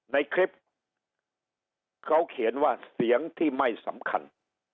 ในคลิปเขาเขียนว่าเสียงที่ไม่สำคัญ